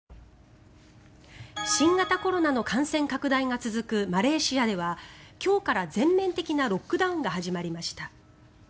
新型コロナの感染拡大が続くマレーシアでは今日から全面的なロックダウンが始まりました。